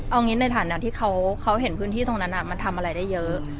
เอางี้ในฐานะที่เขาเห็นพื้นที่ตรงนั้นมันทำอะไรได้เยอะ